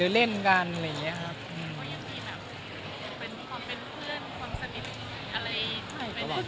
ก็ยังมีความเป็นเพื่อนความสนิท